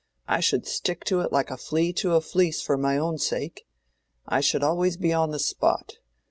I should stick to it like a flea to a fleece for my own sake. I should always be on the spot.